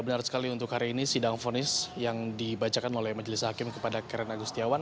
benar sekali untuk hari ini sidang fonis yang dibacakan oleh majelis hakim kepada karen agustiawan